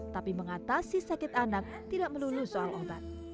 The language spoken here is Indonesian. tapi mengatasi sakit anak tidak melulu soal obat